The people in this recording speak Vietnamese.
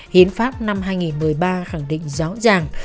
hiến pháp năm hai nghìn một mươi ba khẳng định rõ ràng